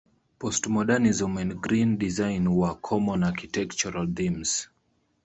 Postmodernism and green design were common architectural themes.